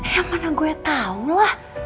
ya mana gua tau lah